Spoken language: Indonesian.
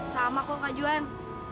sama kok kak juhan